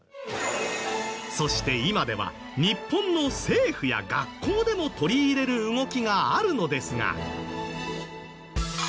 そして今では日本の政府や学校でも取り入れる動きがあるのですが。